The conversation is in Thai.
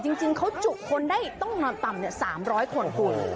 จริงเขาจุคนได้ต้องนอนต่ำ๓๐๐คนคุณ